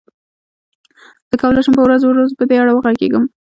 زه کولای شم په ورځو ورځو په دې اړه وغږېږم.